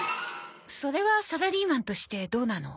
それはサラリーマンとしてどうなの？